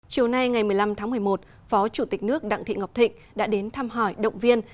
chiều nay ngày một mươi năm tháng một mươi một phó chủ tịch nước đặng thị ngọc thịnh đã đến thăm hỏi động viên